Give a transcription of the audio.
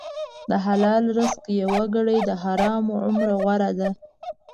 د حلال رزق یوه ګړۍ د حرامو عمره غوره ده.